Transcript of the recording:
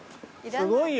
すごいよ。